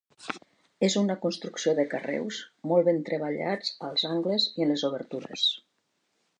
És una construcció de carreus, molt ben treballats als angles i en les obertures.